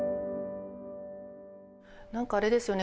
何かあれですよね。